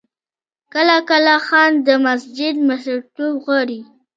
کله کله خان د مسجد مشرتوب غواړي.